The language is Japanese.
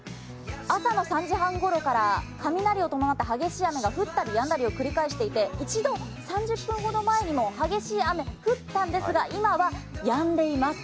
朝の３時半ごろから雷を伴った激しい雨が降ったりやんだりを繰り返していて一度３０分ほど前にも激しい雨降ったんですが今はやんでいます。